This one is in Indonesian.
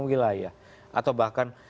wilayah atau bahkan